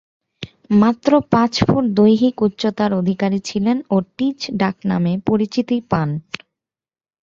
মাত্র পাঁচ ফুট দৈহিক উচ্চতার অধিকারী ছিলেন ও টিচ ডাকনামে পরিচিতি পান।